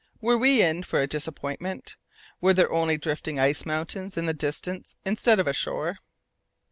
Were we in for a disappointment? Were there only drifting ice mountains in the distance instead of a shore?